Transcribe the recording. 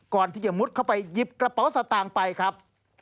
ก่อนที่จะมุดเข้าไปหยิบกระเป๋าสตางค์ไปครับ